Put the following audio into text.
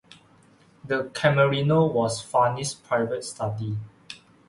The Camerino was Farnese's private study.